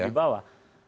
lebih di bawah